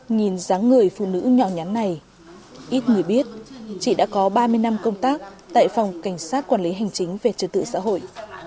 nhìn giá người phụ nữ nhỏ nhắn này ít người biết chị đã có ba mươi năm công tác tại phòng cảnh sát quản lý hành chính về trật tự xã hội